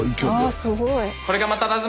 あすごい。